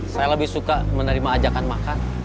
saya lebih suka menerima ajakan makan